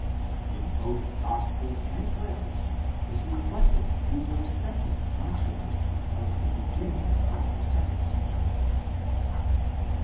In both Gospel and letters is reflected the docetic controversy of the beginning of the second century.